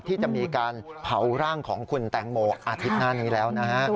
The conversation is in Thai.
ที่จะมีการเผาร่างของคุณแตงโมอาทิตย์หน้านี้แล้วนะฮะ